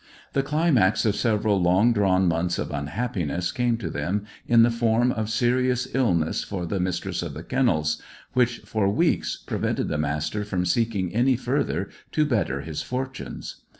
The climax of several long drawn months of unhappiness came to them in the form of serious illness for the Mistress of the Kennels, which, for weeks, prevented the Master from seeking any further to better his fortunes.